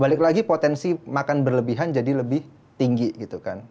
balik lagi potensi makan berlebihan jadi lebih tinggi gitu kan